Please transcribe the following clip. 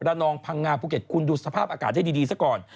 นองพังงาภูเก็ตคุณดูสภาพอากาศให้ดีซะก่อน